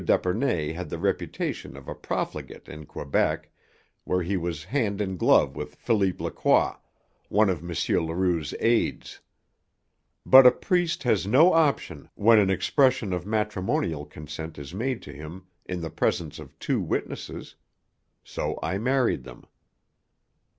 d'Epernay had the reputation of a profligate in Quebec, where he was hand in glove with Philippe Lacroix, one of M. Leroux's aids. But a priest has no option when an expression of matrimonial consent is made to him in the presence of two witnesses. So I married them.